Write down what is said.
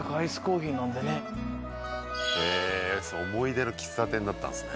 思い出の喫茶店だったんですね